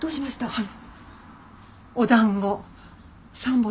はい。